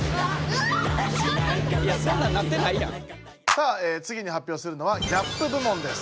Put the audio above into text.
さあつぎに発表するのはギャップ部門です。